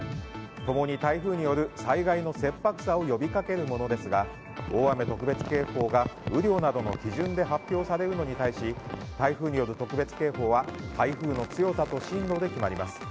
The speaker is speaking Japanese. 共に台風による災害の切迫さを呼びかけるものですが大雨特別警報が雨量などの基準で発表されるのに対し台風による特別警報は台風の強さと進路で決まります。